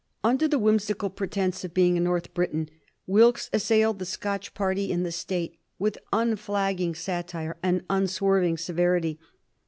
Under the whimsical pretence of being a North Briton, Wilkes assailed the Scotch party in the State with unflagging satire and unswerving severity.